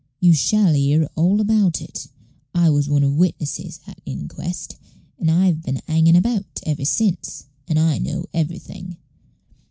"You shall hear all about it. I was one of th' witnesses at th' inquest, and I've been hangin' about ever since, and I know everything."